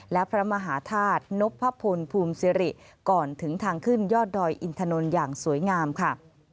และพระมหาธาตุนพพลภูมิสิริก่อนถึงทางขึ้นยอดดอยอินถนนอย่างสวยงามค่ะ